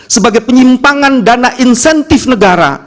sebagai penyimpangan dana insentif negara